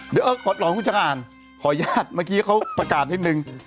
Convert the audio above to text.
เดี๋ยวเอ่อก่อนหลอนคุณจะอ่านขอยาดเมื่อกี้เขาประกาศนิดหนึ่ง